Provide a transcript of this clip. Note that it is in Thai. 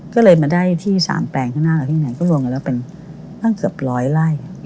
ก็เลยมาได้ที่๓แปลงข้างหน้ากับที่ไหนก็รวมกันแล้วเป็นตั้งเกือบร้อยไล่